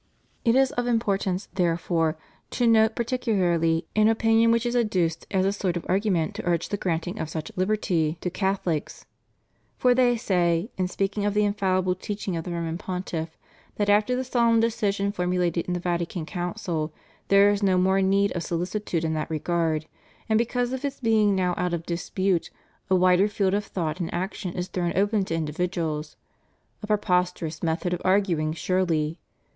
It is of importance, therefore, to note particularly an opinion which is adduced as a sort of argument to urge the granting of such liberty to Catho ' Cone. Vatic. Ibid. c. iv. TRUE AND FALSE AMERICANISM IN RELIGION. 445' lies. For they say, in speaking of the infallible teaching of the Roman Pontiff, that after the solemn decision for mulated in the Vatican Council, there is no more need of solicitude in that regard, and, because of its being now out of dispute, a wider field of thought and action is thrown open to individuals, A preposterous method of arguing, surely.